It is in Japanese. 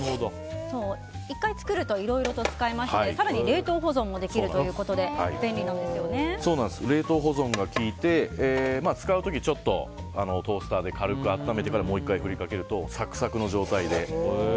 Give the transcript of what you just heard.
１回作るといろいろと使えますので更に冷凍保存もできるので冷凍保存が利いて使う時は、ちょっとトースターで軽く温めてからもう１回振りかけるとサクサクの状態で。